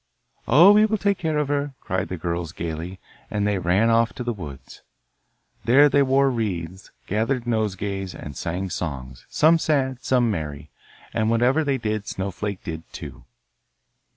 'Oh, we will take care of her,' cried the girls gaily, and they ran off to the woods. There they wore wreaths, gathered nosegays, and sang songs some sad, some merry. And whatever they did Snowflake did too.